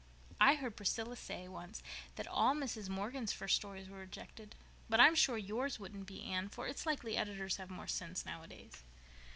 "I heard Priscilla say once that all Mrs. Morgan's first stories were rejected. But I'm sure yours wouldn't be, Anne, for it's likely editors have more sense nowadays."